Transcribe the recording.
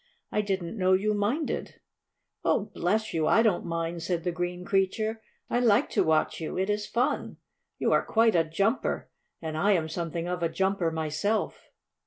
I didn't know you minded." "Oh, bless you, I don't mind," said the green creature. "I like to watch you. It is fun. You are quite a jumper, and I am something of a jumper myself."